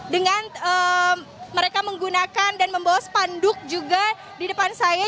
dengan mereka menggunakan dan membawa spanduk juga di depan saya